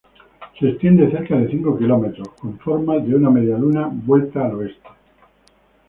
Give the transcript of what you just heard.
Se extiende cerca de cinco kilómetros, con forma de una medialuna vuelta al oeste.